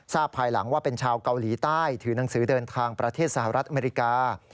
ภายหลังว่าเป็นชาวเกาหลีใต้ถือหนังสือเดินทางประเทศสหรัฐอเมริกา